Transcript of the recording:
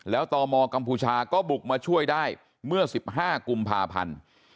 แล้วตมกัมพูชาก็บุกมาช่วยได้เมื่อ๑๕กุมภาพันธ์